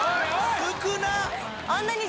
少なっ！